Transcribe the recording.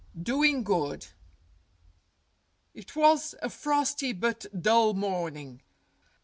VII DOING GOOD IT was a frosty but dull morning.